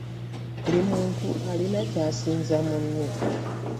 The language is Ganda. buli muntu alina kyasinza munne.